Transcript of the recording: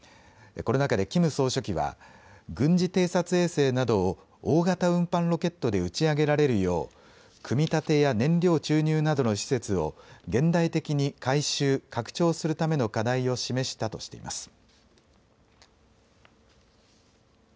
この中でキム総書記は軍事偵察衛星などを大型運搬ロケットで打ち上げられるよう組み立てや燃料注入などの施設を現代的に改修・拡張するための課題を示したとしています。